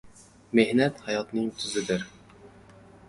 • Mehnat ― hayotning tuzidir.